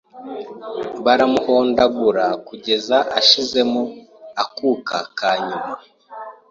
baramuhondagura kugeza ashizemo akuka ka nyuma!!